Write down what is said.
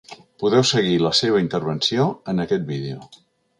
Podeu seguir la seva intervenció en aquest vídeo.